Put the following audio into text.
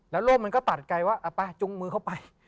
แล้วโลกมันก็ตัดไกลว่าอะไปจุ้งมือเข้าไป